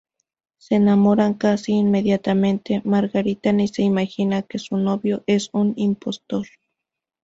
Se enamoran casi inmediatamente; Margarita ni se imagina que su novio es un impostor.